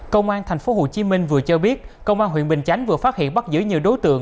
công an tp hcm vừa cho biết công an huyện bình chánh vừa phát hiện bắt giữ nhiều đối tượng